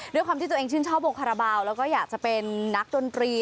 ด้วยความที่ตัวเองชื่นชอบโบคาราบาลแล้วก็อยากจะเป็นนักดนตรี